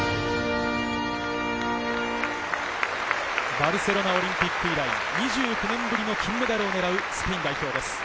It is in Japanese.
バルセロナオリンピック以来、２９年ぶりの金メダルを狙うスペイン代表です。